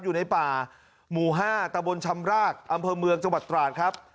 อยู่ในป่าหมู่๕ตะบนชำรากอำเภอเมืองจังหวัดตราดครับ